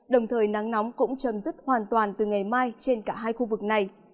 đồng thời nắng nóng cũng chấm dứt hoàn toàn từ ngày mai trên cả hai khu vực này